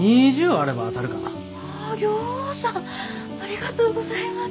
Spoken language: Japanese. ありがとうございます。